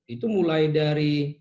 itu mulai dari